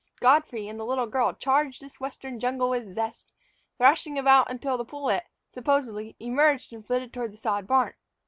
Godfrey and the little girl charged this western jungle with zest, thrashing about until the pullet supposedly emerged and flitted toward the sod barn.